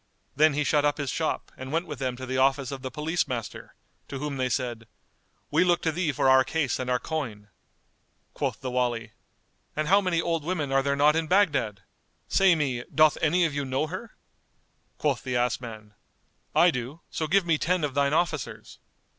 Then he shut up his shop and went with them to the office of the Police master to whom they said, "We look to thee for our case and our coin."[FN#203] Quoth the Wali, "And how many old women are there not in Baghdad! Say me, doth any of you know her?" Quoth the ass man, "I do; so give me ten of thine officers."